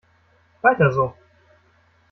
Weiter so!